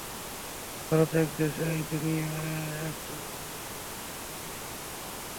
ভারত, এক দেশে দুই দুনিয়া, একটা আলোয়, আর অন্যটা অন্ধকারে।